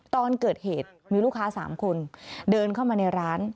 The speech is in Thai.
ตอนเกิดเหตุมีลูกค้า๓คนเดินเข้ามาในร้าน